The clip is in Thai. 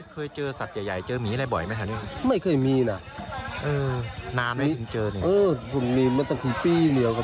เคยขึ้นไปไหมเหล้า